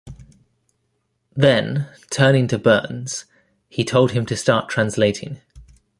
Then, turning to Burns, he told him to start translating.